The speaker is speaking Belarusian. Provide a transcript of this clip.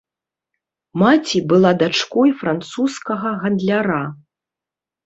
Маці была дачкой французскага гандляра.